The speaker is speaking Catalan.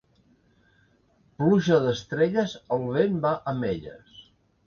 Pluja d'estrelles, el vent va amb elles.